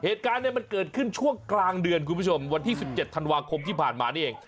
เหตุการณ์เนี่ยมันเกิดขึ้นช่วงกลางเดือนคุณผู้ชมวันที่๑๗ธันวาคมที่ผ่านมานี่เอง